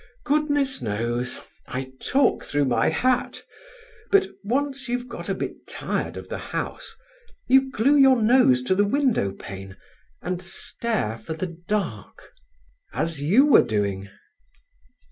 "Goodness knows—I talk through my hat. But once you've got a bit tired of the house, you glue your nose to the windowpane, and stare for the dark—as you were doing."